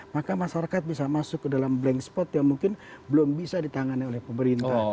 maka masyarakat bisa masuk ke dalam blank spot yang mungkin belum bisa ditangani oleh pemerintah